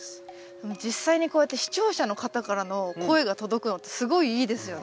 でも実際にこうやって視聴者の方からの声が届くのってすごいいいですよね。